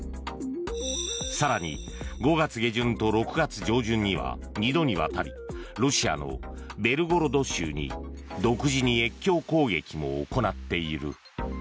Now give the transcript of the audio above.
更に、５月下旬と６月上旬には２度にわたりロシアのベルゴロド州に独自に越境攻撃も行っている。